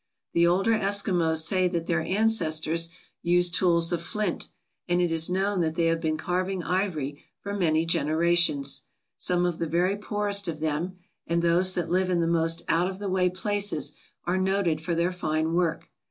The older Eskimos say that their ancestors used tools of flint, and it is known that they have been carving ivory for many generations. Some of the very poorest of them, and those that live in the most out of the way places, are noted for their fine work.